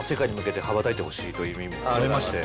という意味も込めまして。